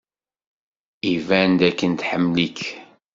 Iban dakken tḥemmel-ik.